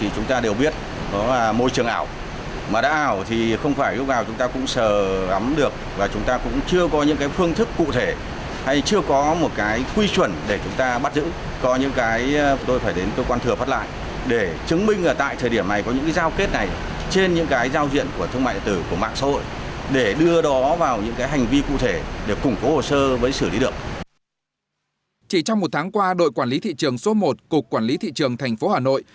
chỉ trong một tháng qua đội quản lý thị trường số một cục quản lý thị trường tp hà nội